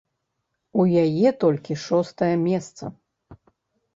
У яе толькі шостае месца.